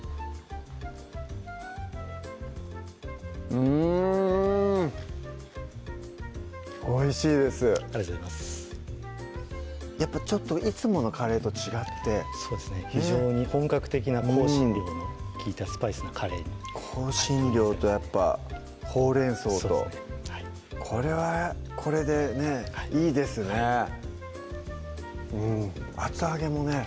うんおいしいですありがとうございますやっぱちょっといつものカレーと違って非常に本格的な香辛料の利いたスパイスなカレーに香辛料とやっぱほうれん草とこれはこれでねいいですねうん厚揚げもね